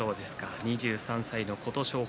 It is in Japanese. ２３歳の琴勝峰